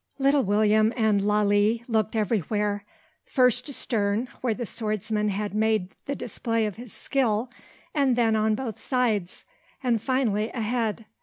Little William and Lalee looked everywhere, first astern, where the swordsman had made the display of his skill; then on both sides; and, finally, ahead.